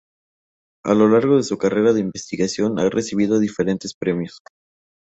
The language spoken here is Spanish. A lo largo de su carrera de investigación ha recibido diferentes premios.